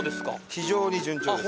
非常に順調です！